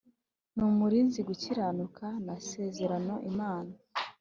ni umurinzi gukiranuka nasezerano imana